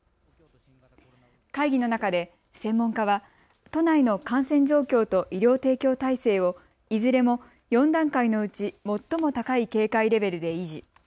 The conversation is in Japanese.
会議の中で専門家は都内の感染状況と医療提供体制をいずれも４段階のうち最も高い警戒レベルで維持。